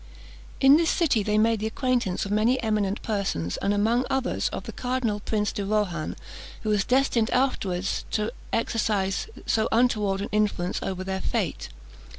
In this city they made the acquaintance of many eminent persons, and, among others, of the Cardinal Prince de Rohan, who was destined afterwards to exercise so untoward an influence over their fate.